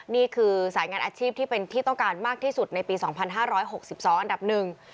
นี่คือสายงานอาชีพที่เป็นที่ต้องการมากที่สุดในปี๒๕๖๒อันดับหนึ่ง